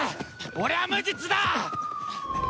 俺は無実だ！